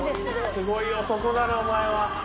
すごい男だなお前は。